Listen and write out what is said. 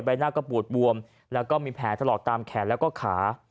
หน้าก็ปูดบวมแล้วก็มีแผลถลอกตามแขนแล้วก็ขา